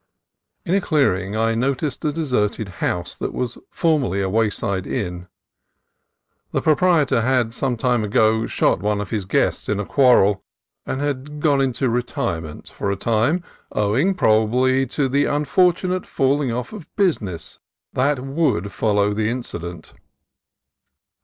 In a clearing I noticed a deserted house that was formerly a wayside inn. The proprietor had some time ago shot one of his guests in a quarrel, and had gone into retirement for a time, owing, probably, to the unfortunate falling off of business that would follow the incident.